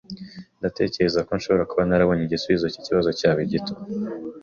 Ndatekereza ko nshobora kuba narabonye igisubizo cyikibazo cyawe gito.